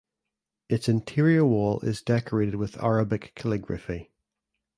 Its interior wall is decorated with Arabic calligraphy.